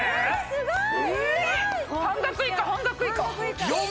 すごーい！